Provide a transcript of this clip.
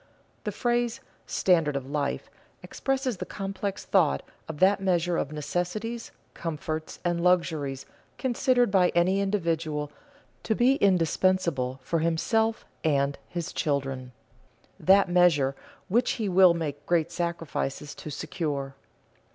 _ The phrase "standard of life" expresses the complex thought of that measure of necessities, comforts, and luxuries considered by any individual to be indispensable for himself and his children; that measure which he will make great sacrifices to secure.